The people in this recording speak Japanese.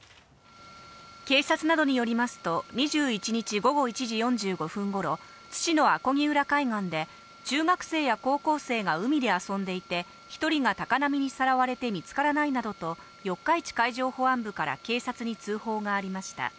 警察などによりますと、２１日午後１時４５分ごろ、津市の阿漕浦海岸で、中学生や高校生が海で遊んでいて、１人が高波にさらわれて見つからないなどと、四日市海上保安部から警察に通報がありました。